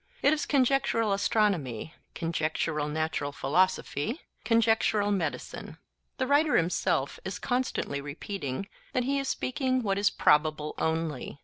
It is conjectural astronomy, conjectural natural philosophy, conjectural medicine. The writer himself is constantly repeating that he is speaking what is probable only.